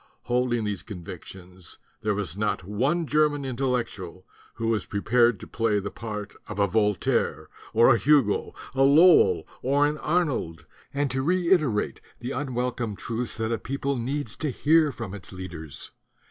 Holding these convictions there was not one German Intellectual who was prepared to play the part of a Voltaire or a Hugo, a Lowell or an Arnold and to reiterate the unwelcome truths that a people needs to hear from its leaders.